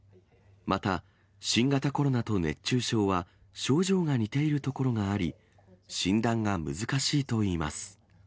また、新型コロナと熱中症は症状が似ているところがあり、診断が難しいといいます。